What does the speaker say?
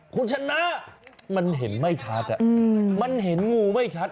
คุณชนะมันเห็นไม่ชัดมันเห็นงูไม่ชัด